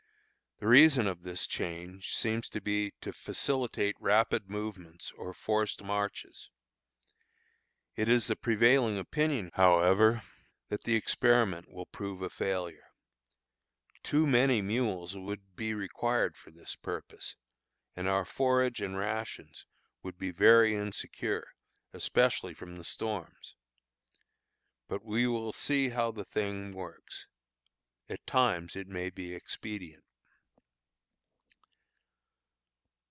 The reason of this change seems to be to facilitate rapid movements or forced marches. It is the prevailing opinion, however, that the experiment will prove a failure. Too many mules would be required for this purpose, and our forage and rations would be very insecure, especially from the storms. But we will see how the thing works. At times it may be expedient.